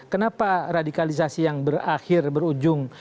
kenapa radikalisasi yang berakhir berujung